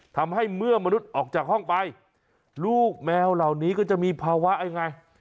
ทำให้เมื่อมนุษย์ออกจากห้องไปลูกแมวเหล่านี้ก็จะมีภาวะยังไง